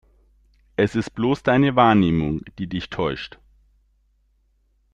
Es ist bloß deine Wahrnehmung, die dich täuscht.